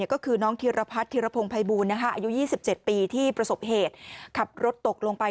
ก็คือน้องธิรพัฒนธิรพงศ์ภัยบูลอายุ๒๗ปีที่ประสบเหตุขับรถตกลงไป